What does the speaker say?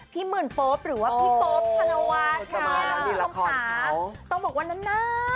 ต้องบอกว่านะ